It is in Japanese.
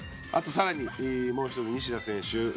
あとさらにもう一つ西田選手